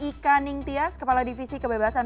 ika ningtyas kepala divisi kebebasan